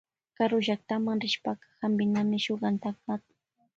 Karullaktama rishpaka hapinami shuk antankata.